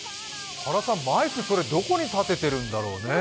原さん、マイク、どこに立てているんだろうね。